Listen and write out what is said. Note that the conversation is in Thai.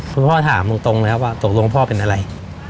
คุณพ่อถามตรงนะครับว่าตกลงพ่อเป็นอะไร